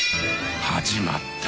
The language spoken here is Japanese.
始まった。